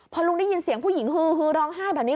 พอลุงได้ยินเสียงผู้หญิงฮือร้องไห้แบบนี้